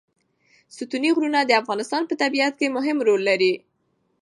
ستوني غرونه د افغانستان په طبیعت کې مهم رول لري.